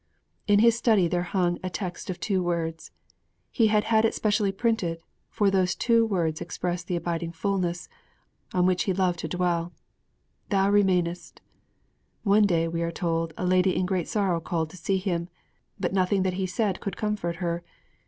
_' In his study there hung a text of two words. He had had it specially printed, for those two words expressed the abiding fullness on which he loved to dwell. 'Thou remainest!' One day, we are told, a lady in great sorrow called to see him. But nothing that he said could comfort her.